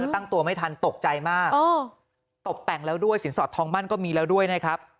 ตั้งตัวไม่ทันตกใจมากตบแต่งแล้วด้วยสินสอดทองมั่นก็มีแล้วด้วยนะครับ